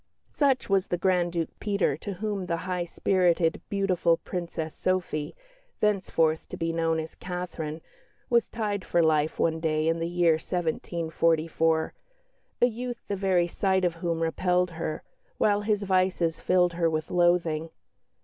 Such was the Grand Duke Peter, to whom the high spirited, beautiful Princess Sophie (thenceforth to be known as "Catherine") was tied for life one day in the year 1744 a youth the very sight of whom repelled her, while his vices filled her with loathing.